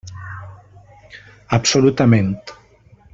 Absolutament.